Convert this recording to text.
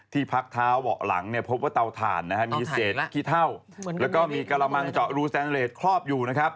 ที่พักเท้าออกหลังมีเชษขี้เถ้าและมีกระมังเจาะรูสนเรทครอบอยู่